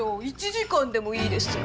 １時間でもいいですよ。